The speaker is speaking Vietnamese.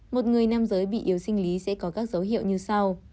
một người nam giới bị yếu sinh lý sẽ có các dấu hiệu như sau